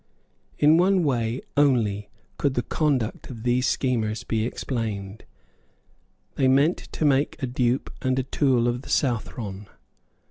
In one way only could the conduct of these schemers be explained. They meant to make a dupe and a tool of the Southron.